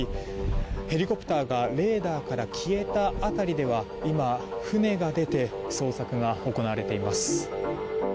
ヘリコプターがレーダーから消えた辺りでは今、船が出て捜索が行われています。